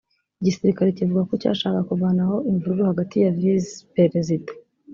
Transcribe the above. Igisirikare kivuga ko cyashakaga kuvanaho imvururu hagati ya Visi-Perezida